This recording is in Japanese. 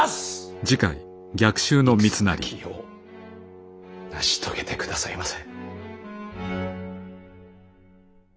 戦なき世を成し遂げてくださいませ。